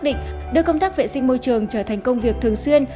đưa công tác vệ sinh môi trường trở thành công việc thường xuyên